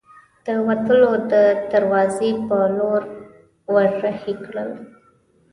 د وتلو د دراوزې په لور ور هۍ کړل.